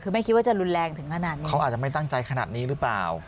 คือไม่คิดว่าจะรุนแรงถึงขนาดนี้เขาอาจจะไม่ตั้งใจขนาดนี้หรือเปล่า